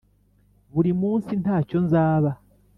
buri munsi, ntacyo nzaba